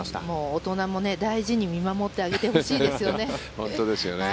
大人も大事に見守ってあげてほしいですよね。